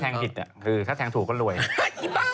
ปลาหมึกแท้เต่าทองอร่อยทั้งชนิดเส้นบดเต็มตัว